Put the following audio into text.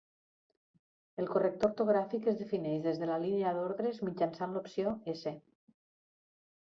El corrector ortogràfic es defineix des de la línia d'ordres mitjançant l'opció -s.